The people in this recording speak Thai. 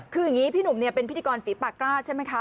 คืออย่างนี้พี่หนุ่มเป็นพิธีกรฝีปากกล้าใช่ไหมคะ